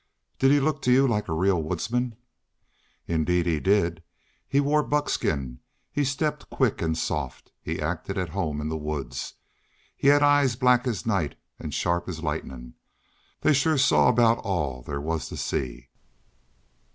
"Did he look to you like a real woodsman?" "Indeed he did. He wore buckskin. He stepped quick and soft. He acted at home in the woods. He had eyes black as night and sharp as lightnin'. They shore saw about all there was to see."